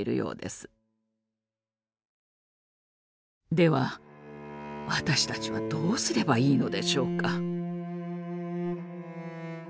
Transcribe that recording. では私たちはどうすればいいのでしょうか？